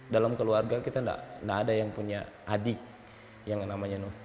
dalam keluarga kita tidak ada yang punya adik yang namanya novi